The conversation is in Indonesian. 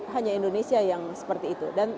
hanya indonesia yang seperti itu